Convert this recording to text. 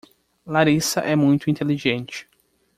Larissa é muito inteligente.